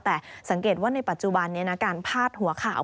แต่สังเกตว่าในปัจจุบันนี้นะการพาดหัวข่าว